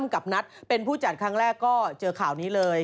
กับนัทเป็นผู้จัดครั้งแรกก็เจอข่าวนี้เลย